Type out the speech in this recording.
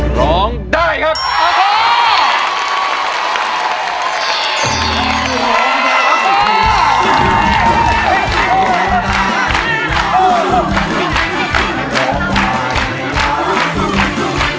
ร้องได้ครับ